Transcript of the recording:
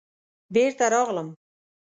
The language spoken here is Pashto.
بېرته راغلم.